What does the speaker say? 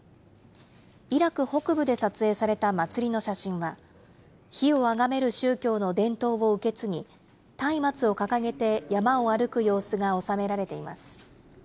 イラク北部で撮影された祭りの写真は、火をあがめる宗教の伝統を受け継ぎ、たいまつを掲げて、山を歩く様子が収められています。